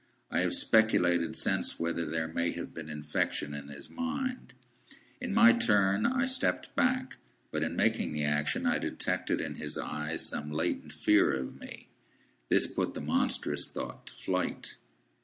I have speculated since, whether there may have been infection in his mind. In my turn, I stepped back. But in making the action, I detected in his eyes some latent fear of me. This put the monstrous thought to flight.